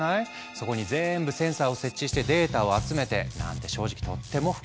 そこ全部センサーを設置してデータを集めてなんて正直とても不可能。